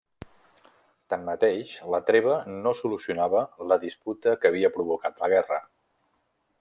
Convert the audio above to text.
Tanmateix, la treva no solucionava la disputa que havia provocat la guerra.